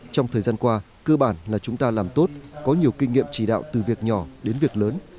trong thời gian qua cơ bản là chúng ta làm tốt có nhiều kinh nghiệm chỉ đạo từ việc nhỏ đến việc lớn